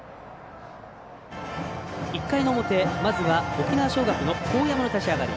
１回の表、まずは沖縄尚学の當山の立ち上がり。